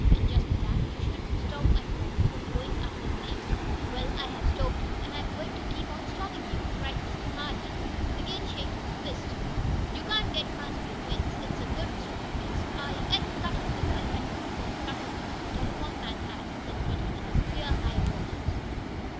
And, just for that, you shouldn't stop my boat from going up the creek." "Well, I have stopped you, and I'm going to keep on stoppin' you!" cried Mr. Hardee, again shaking his fist. "You can't get past my fence. It's a good strong fence." "I I could cut it, if I had one of those cutter things, the telephone man had," said Freddie, in his clear, high voice.